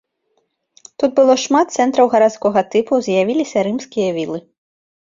Тут было шмат цэнтраў гарадскога тыпу, з'явіліся рымскія вілы.